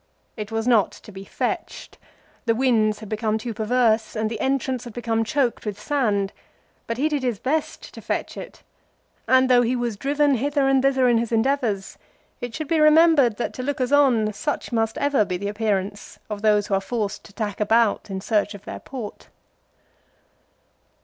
It was not to be " fetched." The winds had become too perverse, and the entrance had become choked with sand. But he did his best to fetch it ; and, though he was driven hither and thither in his endeavours, it should be remembered that to lookers on such must ever be the appearance of those who are forced to tack about in search of their port.